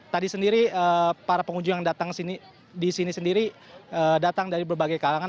tadi sendiri para pengunjung yang datang di sini sendiri datang dari berbagai kalangan